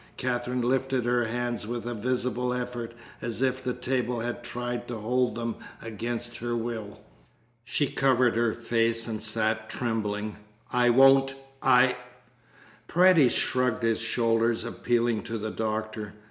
Katherine lifted her hands with a visible effort, as if the table had tried to hold them against her will. She covered her face and sat trembling. "I won't! I " Paredes shrugged his shoulders, appealing to the doctor.